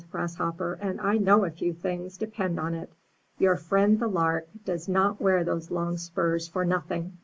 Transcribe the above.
Grass hopper, and I know a few things, depend upon it. Your friend the Lark does not wear those long spurs for nothing."